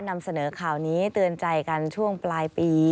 นำเสนอข่าวนี้เตือนใจกันช่วงปลายปี